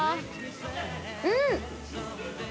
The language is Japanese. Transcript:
うん。